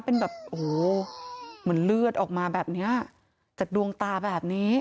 เป็นแบบโอ้โหเหมือนเลือดออกมาแบบเนี้ยจากดวงตาแบบนี้